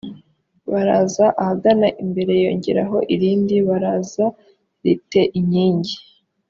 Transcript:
baraza ahagana imbere yongeraho irindi baraza ri te inkingi